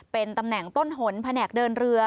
เป็นตำแหน่งต้นหนแผนกเดินเรือ